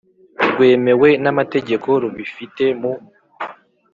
Rwemewe n amategeko rubifite mu